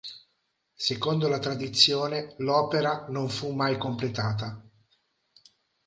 Secondo la tradizione l'opera non fu mai completata.